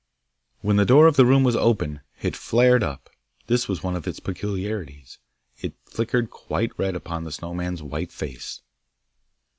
When the door of the room was open, it flared up this was one of its peculiarities; it flickered quite red upon the Snow man's white face.